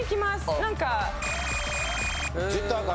何か。